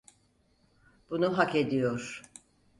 Bunu hak ediyor.